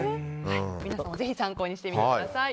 皆さんもぜひ参考にしてみてください。